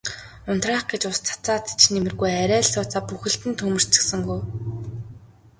Унтраах гэж ус цацаад ч нэмэргүй арай л сууцаа бүхэлд нь түймэрдчихсэнгүй.